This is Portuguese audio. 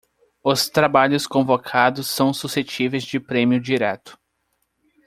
Os trabalhos convocados são suscetíveis de prêmio direto.